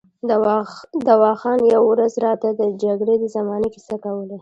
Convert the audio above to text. دوا خان یوه ورځ راته د جګړې د زمانې کیسه کوله.